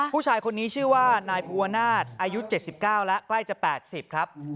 ผู้ชายคนนี้ชื่อว่านายภูวนาศอายุ๗๙แล้วใกล้จะ๘๐ครับ